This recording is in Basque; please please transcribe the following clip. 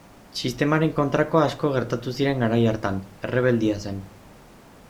Sistemaren kontrako asko gertatu ziren garai hartan, errebeldia zen.